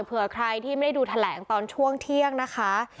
เผื่อใครที่ไม่ได้ดูแถลงตอนช่วงเที่ยงนะคะ